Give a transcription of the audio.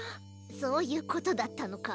そういうことだったのか。